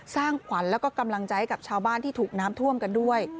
สร้างขวัญแล้วก็กำลังใจให้กับชาวบ้านที่ถูกน้ำท่วมกันด้วย